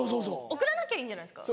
送らなきゃいいんじゃないですか。